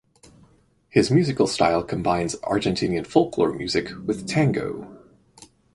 His musical style combines Argentinian folklore music with tango.